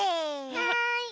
はい。